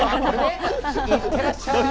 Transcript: いってらっしゃい。